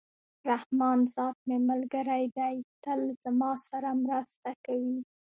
رحمان ذات مي ملګری دئ! تل زما سره مرسته کوي.